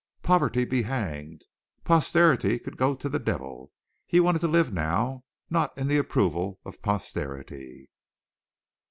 Poverty be hanged! Posterity could go to the devil! He wanted to live now not in the approval of posterity.